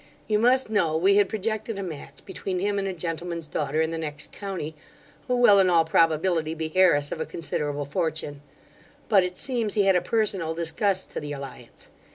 You must know, we had projected a match between him and a gentleman's daughter in the next county, who will in all probability be heiress of a considerable fortune; but, it seems, he had a personal disgust to the alliance.